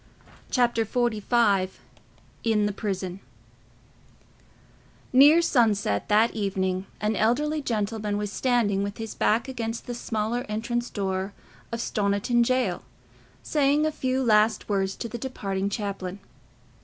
Chapter XLV In the Prison Near sunset that evening an elderly gentleman was standing with his back against the smaller entrance door of Stoniton jail, saying a few last words to the departing chaplain.